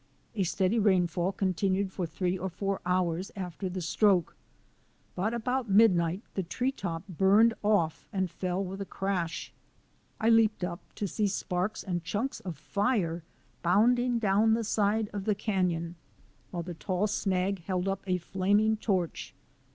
A steady rainfall continued for three or four hours after the stroke, but about mid night the tree top burned off and fell with a crash. I leaped up to see sparks and chunks of fire bound ing down the side of the canon, while the tall snag held up a flaming torch.